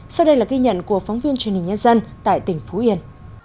sau đây là ghi nhận của phóng viên truyền hình nhân dân tại tỉnh phú yên